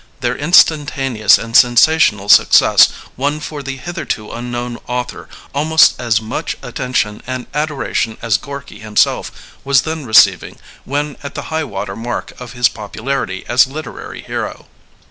Their instantaneous and sensational suc cess won for the hitherto unknown author almost as much attention and adoration as Gorky himself was then receiving when at the highwater mark of his popularity as a literary hero.